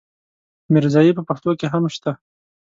ميرزايي په پښتو کې هم شته.